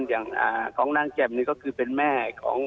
อย่างของนางแจ่มนี่ก็คือเป็นแม่ของ